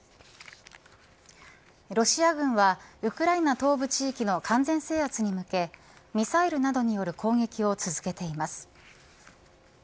ロシア軍はウクライナ東部地域の完全制圧に向けミサイルなどによる攻撃を続けています。